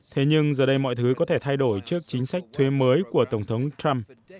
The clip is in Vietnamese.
thế nhưng giờ đây mọi thứ có thể thay đổi trước chính sách thuế mới của tổng thống trump